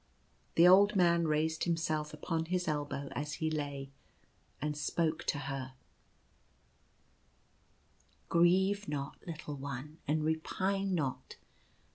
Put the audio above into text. " The old man raised himself upon his elbow as he lay, and spake to her : "Grieve not, little one, and repine not.